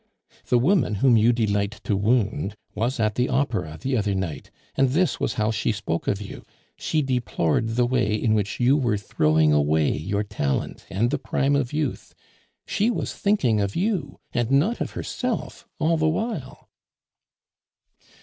The woman whom you delight to wound was at the Opera the other night, and this was how she spoke of you. She deplored the way in which you were throwing away your talent and the prime of youth; she was thinking of you, and not of herself, all the while."